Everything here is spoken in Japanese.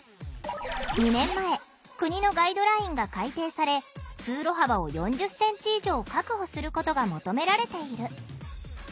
２年前国のガイドラインが改訂され通路幅を４０ｃｍ以上確保することが求められている。